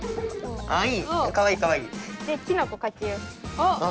あっ！